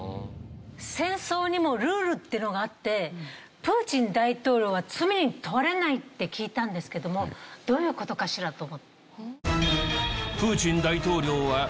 戦争にもルールっていうのがあってプーチン大統領は罪に問われないって聞いたんですけどもどういう事かしらと。